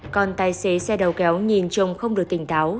còn tài xế xe đầu kéo nhìn chung không được tỉnh táo